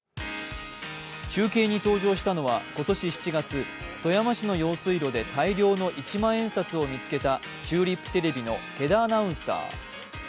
中継に登場したのは今年７月富山の用水路で大量の一万円札を見つけたチューリップテレビの毛田アナウンサー。